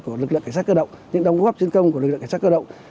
của lực lượng cảnh sát cơ động những đóng góp chiến công của lực lượng cảnh sát cơ động